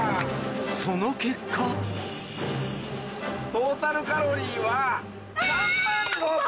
その結果トータルカロリーは。